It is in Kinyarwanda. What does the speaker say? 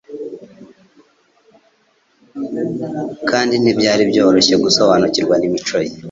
kandi ntibyari byoroshye gusobanukirwa n'imico ye